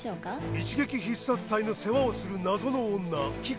一撃必殺隊の世話をする謎の女キク。